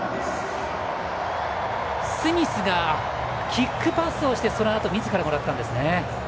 スミスがキックパスをしてそのあと、みずからもらったんですね。